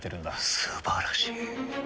素晴らしい。